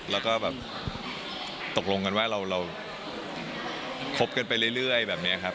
แล้วก็แบบตกลงกันว่าเราคบกันไปเรื่อยแบบนี้ครับ